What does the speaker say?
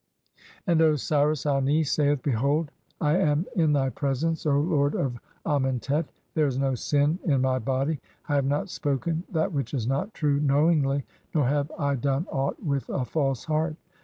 (1) And Osiris Ani (2) saith : "Behold, I am in thy presence, "O lord of (3) Amentet. There is no sin in my (4) body. I "have not spoken that which is not true (5) knowingly, nor have "I done aught with a false heart.